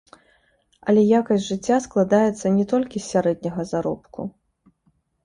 Але якасць жыцця складаецца не толькі з сярэдняга заробку.